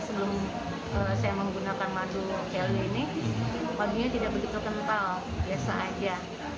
sebelum saya menggunakan madu kelly ini madunya tidak begitu kental biasa aja